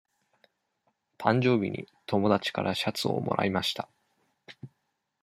誕生日に友達からシャツをもらいました。